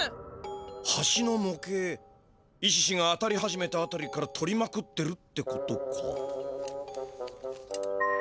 橋のもけいイシシが当たり始めたあたりからとりまくってるってことか。